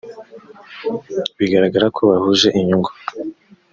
bigaragara ko bahuje inyungu